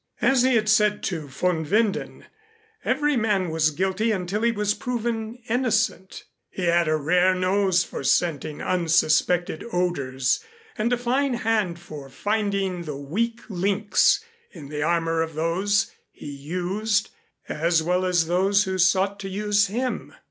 As he had said to von Winden, every man was guilty until he was proven innocent. He had a rare nose for scenting unsuspected odors, and a fine hand for finding the weak links in the armor of those he used as well as of those who sought to use him.